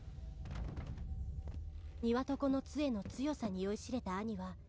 「ニワトコの杖の強さに酔いしれた兄は」